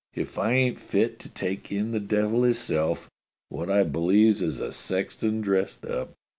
if I ain't fit to take in the devil hisself , wot I believes is a sexton dressed up.